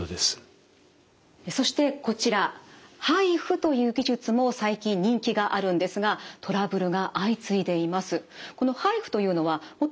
そしてこちらＨＩＦＵという技術も最近人気があるんですがトラブルが相次いでいます。